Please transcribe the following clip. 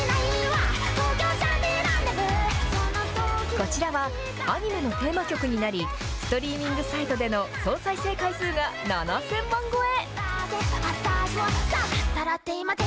こちらは、アニメのテーマ曲になり、ストリーミングサイトでの総再生回数が７０００万超え。